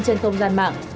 trên thông gian mạng